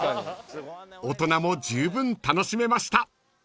［大人もじゅうぶん楽しめました］